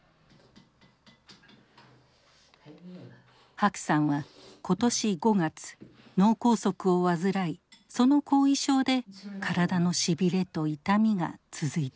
白さんは今年５月脳梗塞を患いその後遺症で体のしびれと痛みが続いています。